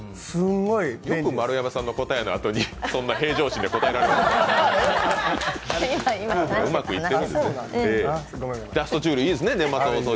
よく丸山さんの答えのあとにそんな平常心で答えられますねえ。